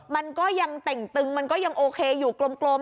มันก็ยังเต่งตึงมันก็ยังโอเคอยู่กลม